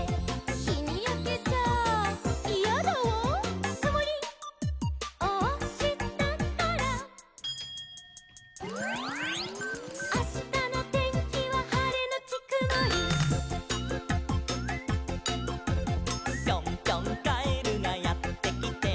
「『ひにやけちゃイヤだわ』」「くもりをおしたから」「あしたのてんきははれのちくもり」「ぴょんぴょんカエルがやってきて」